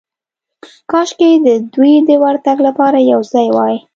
کاشکې د دوی د ورتګ لپاره یو ځای وای.